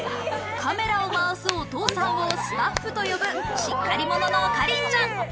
カメラを回すお父さんをスタッフと呼ぶ、しっかり者のかりんちゃん。